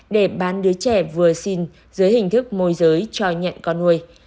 để bán đứa trẻ vừa xin dưới hình thức môi giới cho nhận con nuôi